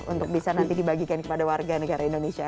untuk bisa nanti dibagikan kepada warga negara indonesia